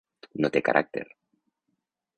No té caràcter.